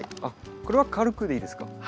あっこれは軽くでいいですか？